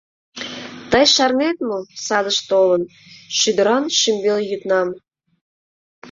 Тый шарнет мо, садыш толын, Шӱдыран шӱмбел йӱднам?